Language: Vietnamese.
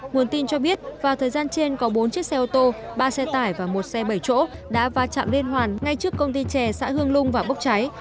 nguồn tin cho biết vào thời gian trên có bốn chiếc xe ô tô ba xe tải và một xe bảy chỗ đã va chạm liên hoàn ngay trước công ty trè xã hương lung và bốc cháy